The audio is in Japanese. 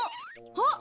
あっ！